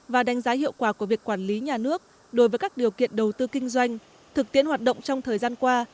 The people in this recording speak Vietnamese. và đánh giá hiệu quả của việc quản lý nhà nước đối với các điều kiện đầu tư kinh doanh thực tiễn hoạt động trong thời gian qua